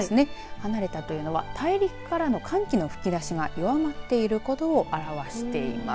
離れたというのは大陸からの寒気の吹き出しが弱まっていることをあらわしています。